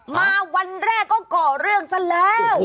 มาวันแรกก็ก่อเรื่องซะแล้ว